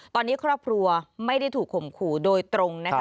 ตอนนี้ครอบครัวไม่ได้ถูกข่มขู่โดยตรงนะคะ